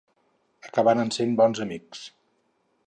Acabaren sent bons amics.